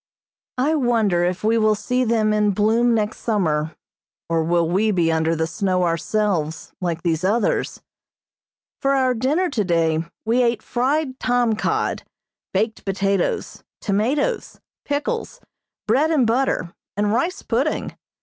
I wonder if we will see them in bloom next summer, or will we be under the snow ourselves like these others. For our dinner today we ate fried tom cod, baked potatoes, tomatoes, pickles, bread and butter, and rice pudding.